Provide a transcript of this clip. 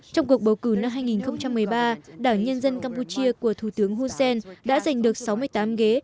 trong cuộc bầu cử năm hai nghìn một mươi ba đảng nhân dân campuchia của thủ tướng hun sen đã giành được sáu mươi tám ghế